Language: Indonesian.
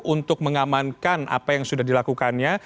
untuk mengamankan apa yang sudah dilakukannya